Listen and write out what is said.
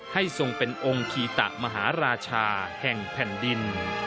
ทรงเป็นองค์คีตะมหาราชาแห่งแผ่นดิน